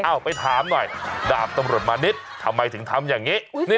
ไปถามหน่อยดาบตำรวจมานิดทำไมถึงทำอย่างนี้